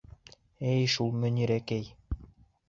Эйе шул, Мөнирәкәй.